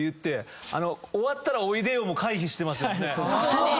そうか！